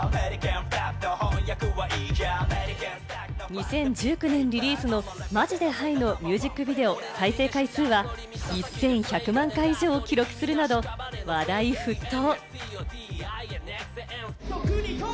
２０１９年リリースの『マジでハイ』のミュージックビデオ再生回数は、１１００万回以上を記録するなど、話題沸騰。